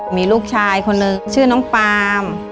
มีลูกชายคนหนึ่งชื่อน้องปาล์ม